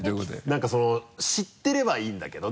何か知ってればいいんだけど。